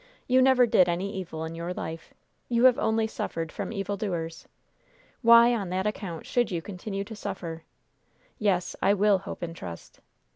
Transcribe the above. You never did any evil in your life. You have only suffered from evildoers. Why, on that account, should you continue to suffer? Yes, I will hope and trust.